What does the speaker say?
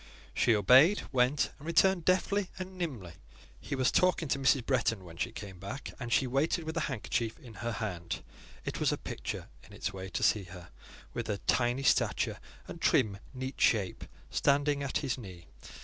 She obeyed; went and returned deftly and nimbly. He was talking to Mrs. Bretton when she came back, and she waited with the handkerchief in her hand. It was a picture, in its way, to see her, with her tiny stature, and trim, neat shape, standing at his knee.